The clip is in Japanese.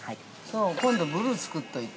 今度ブルー作っといて。